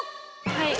はい。